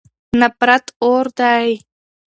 نفرت اور دی.